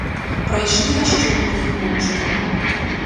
Прайшлі яшчэ трохі моўчкі.